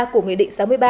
của nghị định sáu mươi ba